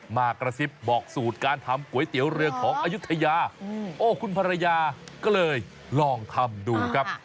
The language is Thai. มากระซิบบอกสูตรการทำก๋วยเตี๋ยวเรืองของอายุทยาโอ้คุณภรรยาก็เลยลองทำดูครับ